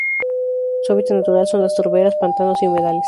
Su hábitat natural son las turberas, pantanos y humedales.